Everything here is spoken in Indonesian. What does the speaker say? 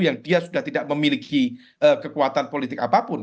yang dia sudah tidak memiliki kekuatan politik apapun